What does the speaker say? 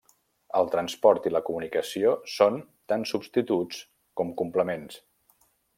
El transport i la comunicació són tant substituts com complements.